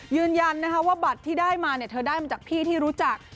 ยืนยันนะคะว่าบัตรที่ได้มาเนี่ยเธอได้มาจากพี่ที่รู้จัก